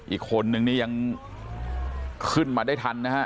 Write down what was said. อีกคนนึงนี่ยังขึ้นมาได้ทันนะฮะ